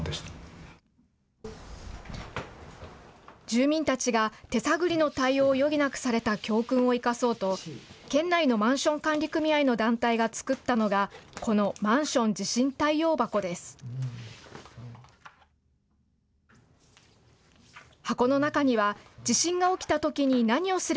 住民たちが手探りの対応を余儀なくされた教訓を生かそうと、県内のマンション管理組合の団体が作ったのが、このマンション地震対応箱です。